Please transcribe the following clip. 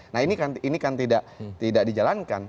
nah ini kan tidak dijalankan